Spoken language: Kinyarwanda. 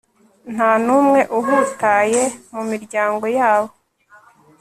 nta n'umwe uhutaye mu miryango yabo